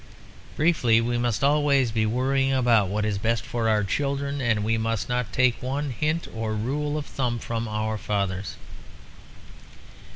Briefly, we must always be worrying about what is best for our children, and we must not take one hint or rule of thumb from our fathers.